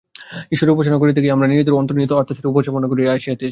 ঈশ্বরের উপাসনা করিতে গিয়া আমরা নিজেদের অন্তর্নিহিত আত্মারই উপাসনা করিয়া আসিতেছি।